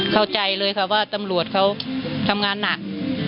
เข้าใจเลยค่ะว่าตำรวจเขาทำงานหนัก